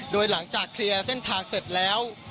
โดยหลังจากเคลียร์เส้นทางเสร็จแล้ว